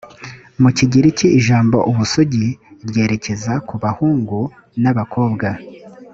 mu kigiriki ijambo ubusugi ryerekeza ku bahungu n abakobwa